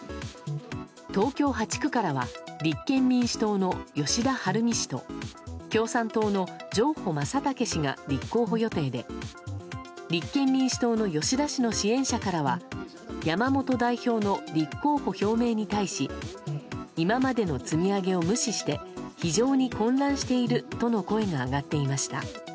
東京８区からは立憲民主党の吉田晴美氏と共産党の上保匡勇氏が立候補予定で立憲民主党の吉田氏の支援者からは山本代表の立候補表明に対し今までの積み上げを無視して非常に混乱しているとの声が上がっていました。